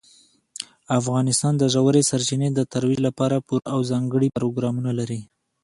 افغانستان د ژورې سرچینې د ترویج لپاره پوره او ځانګړي پروګرامونه لري.